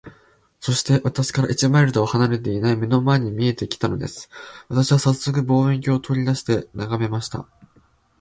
そして、私から一マイルとは離れていない眼の前に見えて来たのです。私はさっそく、望遠鏡を取り出して眺めました。